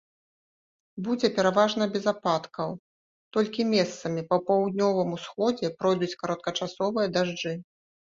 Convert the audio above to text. Будзе пераважна без ападкаў, толькі месцамі па паўднёвым усходзе пройдуць кароткачасовыя дажджы.